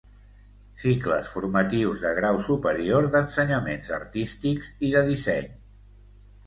Cicles formatius de grau superior d'ensenyaments artístics i de disseny.